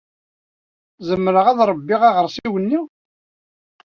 Zemreɣ ad ṛebbiɣ aɣersiw-nni?